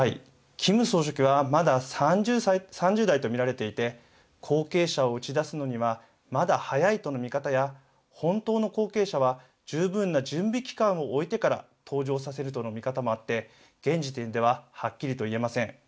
キム総書記はまだ３０代と見られていて後継者を打ち出すのにはまだ早いとの見方や本当の後継者は十分な準備期間を置いてから登場させるとの見方もあって現時点でははっきりと言えません。